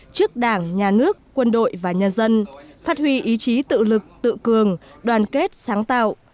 trước đảng nhà nước quân đội và nhân dân phát huy ý chí tự lực tự cường đoàn kết sáng tạo